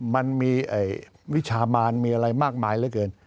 มันมีวิชามานมีอะไรมากมายเหลือเกิน